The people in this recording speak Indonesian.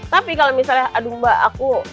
tapi kalau misalnya aduh mbak aku